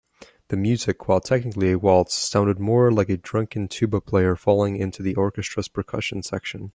The music, while technically a waltz, sounded more like a drunken tuba player falling into the orchestra's percussion section.